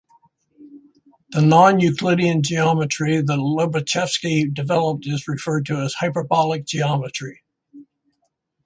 The non-Euclidean geometry that Lobachevsky developed is referred to as hyperbolic geometry.